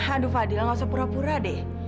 handu fadil nggak usah pura pura deh